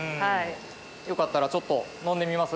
よかったらちょっと飲んでみます？